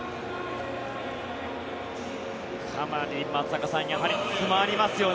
かなり松坂さんやはり詰まりますよね